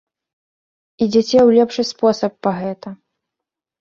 Ідзяце ў лепшы спосаб па гэта.